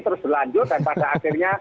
terus berlanjut dan pada akhirnya